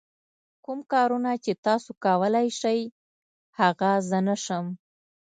کوم کارونه چې تاسو کولای شئ هغه زه نه شم.